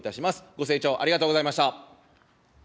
ご清聴ありがとうございました。